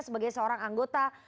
sebagai seorang anggota